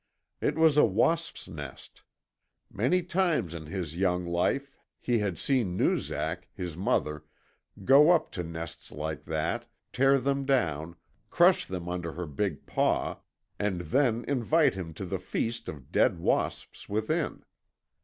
It was a wasp's nest. Many times in his young life he had seen Noozak, his mother, go up to nests like that, tear them down, crush them under her big paw, and then invite him to the feast of dead wasps within.